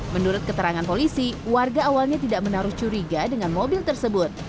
menurut keterangan polisi warga awalnya tidak menaruh curiga dengan mobil tersebut